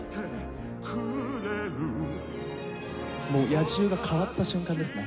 野獣が変わった瞬間ですね。